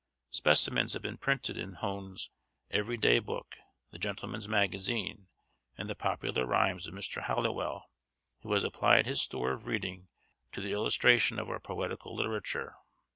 Specimens have been printed in Hone's 'Every Day Book,' the 'Gentleman's Magazine,' and the 'Popular Rhymes' of Mr. Halliwell, who has applied his store of reading to the illustration of our poetical literature.